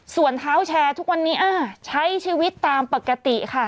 ส่วนเท้าแชร์ทุกวันนี้ใช้ชีวิตตามปกติค่ะ